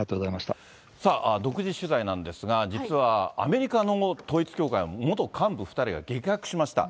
独自取材なんですが、実はアメリカの統一教会の元幹部２人が激白しました。